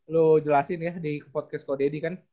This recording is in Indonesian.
lu jelasin ya di podcast ko deddy kan